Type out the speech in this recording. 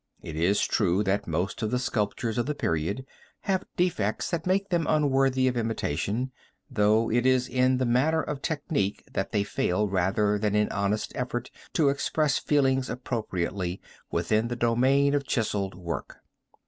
It is true that most of the sculptures of the period have defects that make them unworthy of imitation, though it is in the matter of technique that they fail rather than in honest effort to express feelings appropriately within the domain of chiseled work.